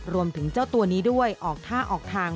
รวมถึงเจ้าตัวนี้ด้วยออกท่าออกทาง